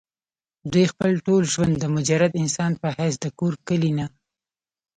دوي خپل ټول ژوند د مجرد انسان پۀ حېث د کور کلي نه